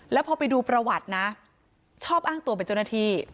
แล้วพอไปดูประวัตินะชอบอ้างตัวเป็นเจ้าหน้าที่